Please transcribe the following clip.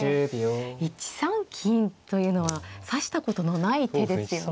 １三金というのは指したことのない手ですよね。